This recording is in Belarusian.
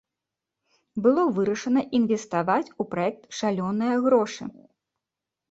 Было вырашана інвеставаць у праект шалёныя грошы.